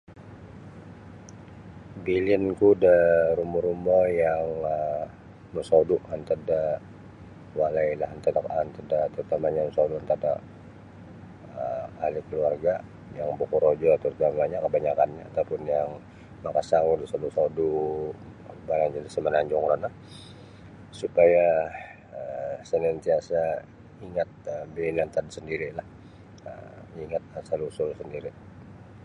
Bilinku da rumo-rumo yang um mosodu' antad da walailah antad da antad da tarutamanyo mosodu' antad da um ali kaluarga' yang bokorojo atau [unintelligible] kabanyakannyo atau pun yang makasawu da sodu'-sodu' [unintelligible] da Samananjung rono supaya santiasa' ingat da biyanan antad sandiri'lah um ingat asal usul sandiri'.